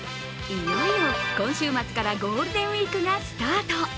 いよいよ今週末からゴールデンウイークがスタート。